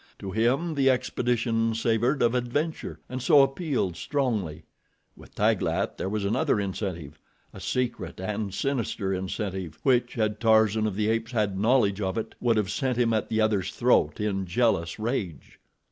To him the expedition savored of adventure, and so appealed, strongly. With Taglat there was another incentive—a secret and sinister incentive, which, had Tarzan of the Apes had knowledge of it, would have sent him at the other's throat in jealous rage.